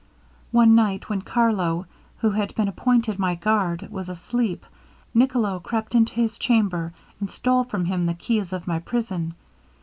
One night when Carlo, who had been appointed my guard, was asleep, Nicolo crept into his chamber, and stole from him the keys of my prison.